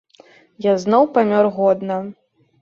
Я зноў памёр годна.